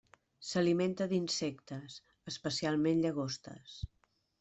S'alimenta d'insectes, especialment llagostes.